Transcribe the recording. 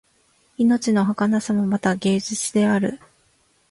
命のはかなさもまた芸術である